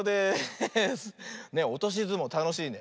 おとしずもうたのしいね。